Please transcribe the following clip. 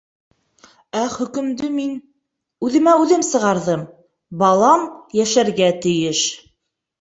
Ә хөкөмдө мин... үҙемә үҙем сығарҙым: балам йәшәргә тейеш.